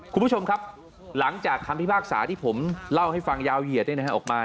คุณผู้ชมครับหลังจากคำพิพากษาที่ผมเล่าให้ฟังยาวเหยียดออกมา